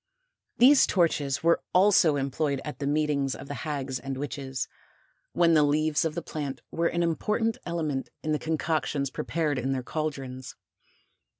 These torches were also employed at the meetings of the hags and witches, when the leaves of the plant were an important element in the concoctions prepared in their cauldrons.